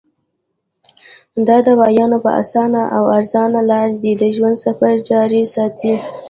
د دوايانو پۀ اسانه او ارزانه لار دې د ژوند سفر جاري ساتي -